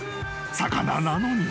［魚なのに］